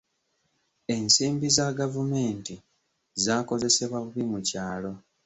Ensimbi za gavumenti zaakozesebwa bubi mu kyalo.